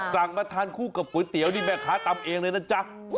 มาทานคู่กับก๋วยเตี๋ยวนี่แม่ค้าตำเองเลยนะจ๊ะ